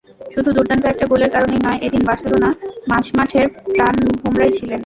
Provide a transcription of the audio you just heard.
শুধু দুর্দান্ত একটা গোলের কারণেই নয়, এদিন বার্সেলোনা মাঝমাঠের প্রাণভোমরাই ছিলেন।